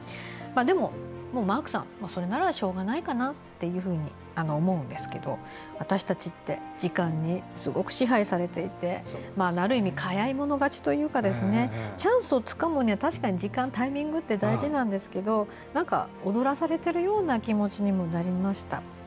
でも、マークさんそれならしょうがないかなって思うんですけど、私たちって時間にすごく支配されていてある意味、早い者勝ちというかチャンスをつかむには確かに時間、タイミングって大事なんですけどなんか踊らされてるような気持ちにもなりました。